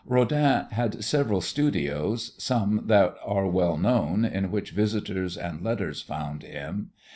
Rodin had several studios, some that are well known in which visitors and letters found him.